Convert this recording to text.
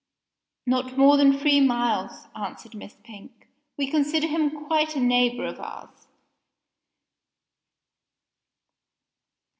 "Not more than three miles," answered Miss Pink. "We consider him quite a near neighbor of ours."